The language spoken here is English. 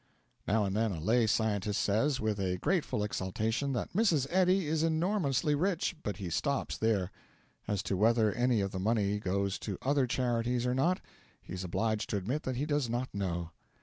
Now and then a lay Scientist says, with a grateful exultation, that Mrs. Eddy is enormously rich, but he stops there; as to whether any of the money goes to other charities or not, he is obliged to admit that he does not know.